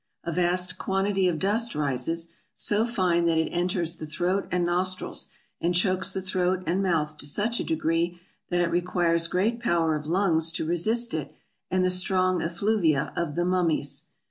A vast quantity of dust rises, so fine that it enters the throat and nostrils, and chokes the throat and mouth to such a degree that it requires great power of lungs to resist it and the strong effluvia of the mummies.